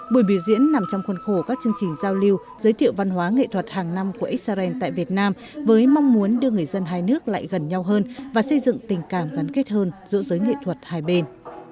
buổi biểu diễn nằm trong khuôn khổ các chương trình giao lưu giới thiệu văn hóa nghệ thuật hàng năm của israel tại việt nam với mong muốn đưa người dân hai nước lại gần nhau hơn và xây dựng tình cảm gắn kết hơn giữa giới nghệ thuật hai bên